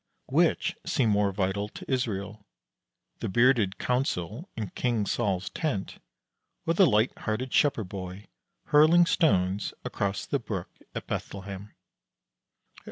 Which seemed more vital to Israel, the bearded council in King Saul's tent, or the light hearted shepherd boy hurling stones across the brook at Bethlehem?